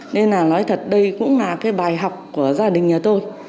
nên là nói thật đây cũng là cái bài học của gia đình nhà tôi